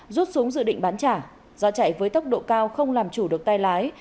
rút súng dự định bán trả do chạy với tốc độ cao không làm chủ được tay lái